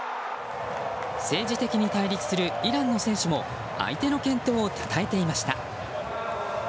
政治的に対立するイランの選手も相手の健闘をたたえていました。